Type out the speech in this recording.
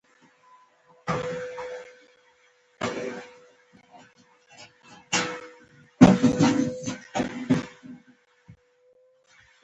کوچنیان به راتلل او تر سوریانو به یې دننه اورګاډي ته کتل.